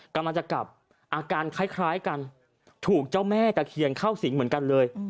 กำลังจะกลับอาการคล้ายกันถูกเจ้าแม่ตะเคียนเข้าสิงเหมือนกันเลย